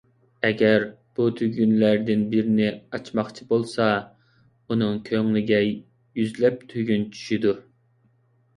ئەگەر بۇ تۈگۈنلەردىن بىرنى ئاچماقچى بولسا، ئۇنىڭ كۆڭلىگە يۈزلەپ تۈگۈن چۈشىدۇ.